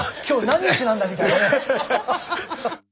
今日何日なんだ？みたいなね。